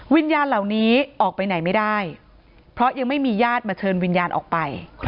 วิญญาณเหล่านี้ออกไปไหนไม่ได้เพราะยังไม่มีญาติมาเชิญวิญญาณออกไป